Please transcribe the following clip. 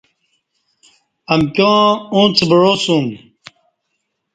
امکیاں اݩڅ بعاسوم